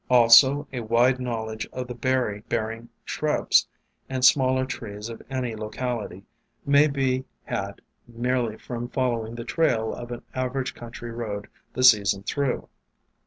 Also, a wide knowledge of the berry bearing shrubs and smaller trees of any locality may be had merely from fol lowing the trail of an average country road the season through.